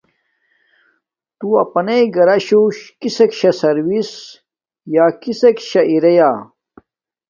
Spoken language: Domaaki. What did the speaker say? تو اپناءݵ گراشوہ کسک شاہ سروس سیں یا کسک شہ اریا